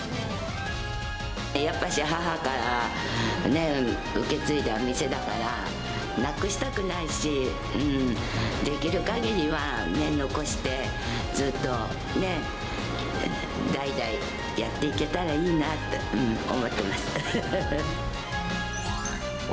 やっぱし母から、ね、受け継いだ店だから、なくしたくないし、できるかぎりは残して、ずっと、ね、代々やっていけたらいいなって思ってますね。